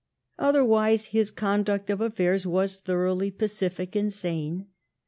Otherwise, his conduct of affairs was thoroughly pacific and sane.